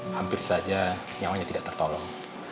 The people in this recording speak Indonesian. hampir saja nyawanya tidak tertolong